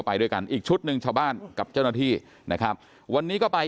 ไปด้วยกันอีกชุดหนึ่งชาวบ้านกับเจ้าหน้าที่นะครับวันนี้ก็ไป